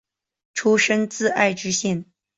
出身自爱知县。